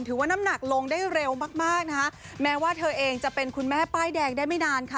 ว่าน้ำหนักลงได้เร็วมากมากนะคะแม้ว่าเธอเองจะเป็นคุณแม่ป้ายแดงได้ไม่นานค่ะ